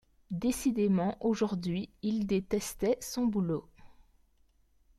Décidément, aujourd’hui, il détestait son boulot.